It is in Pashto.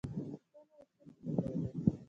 په ټولو اصولو پوهېږم.